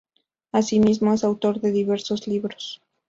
Asimismo es autor de diversos libros.